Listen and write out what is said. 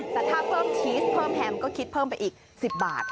แต่ถ้าเพิ่มชีสเพิ่มแฮมก็คิดเพิ่มไปอีก๑๐บาท